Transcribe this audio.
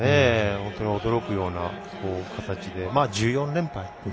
本当に驚くような形で１４連敗